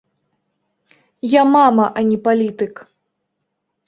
Я мама, а не палітык.